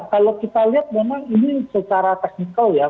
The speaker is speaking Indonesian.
kalau kita lihat memang ini secara teknikal ya